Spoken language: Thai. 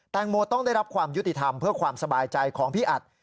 โมต้องได้รับความยุติธรรมเพื่อความสบายใจของพี่อัด